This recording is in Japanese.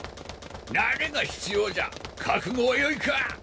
慣れが必要じゃ覚悟はよいか？